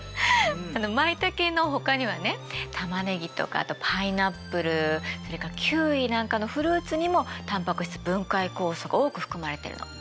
マイタケのほかにはねタマネギとかあとパイナップルそれからキウイなんかのフルーツにもタンパク質分解酵素が多く含まれてるの。